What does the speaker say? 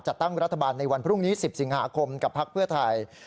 จัดตั้งรัฐบาลในวันพรุ่งนี้๑๐สิงหาคมกับพักเพื่อไทย